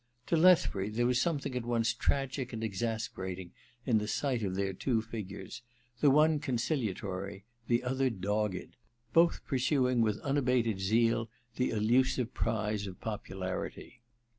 To Leth bury there was something at once tragic and exasperating in the sight of their two figures, the one conciliatory, the other dogged, both pursuing with unabated zeal the elusive prize of popularity.